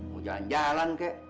mau jalan jalan kek